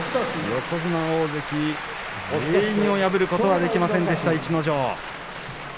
横綱、大関全員を破ることはできませんでした逸ノ城。